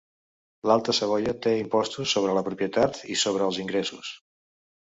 L'alta Savoia té impostos sobre la propietat i sobre els ingressos.